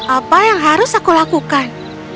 apa yang harus aku lakukan